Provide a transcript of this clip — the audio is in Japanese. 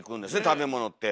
食べ物って。